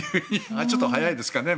ちょっと早いですかね。